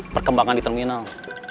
perkembangan di terminal